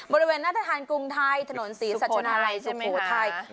บริเวณหน้าธนาคารกรุงไทยถนนศรีสัชนาลัยสุโขทัยสุโขทัยใช่ไหมค่ะ